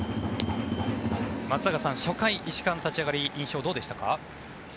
松坂さん、初回石川の立ち上がり印象はどうでしたか？